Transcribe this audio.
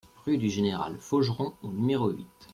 Rue du Général Faugeron au numéro huit